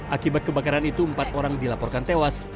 akibat kebakaran itu empat orang dilaporkan tewas